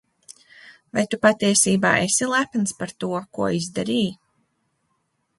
Vai tu patiesībā esi lepns par to, ko izdarīji?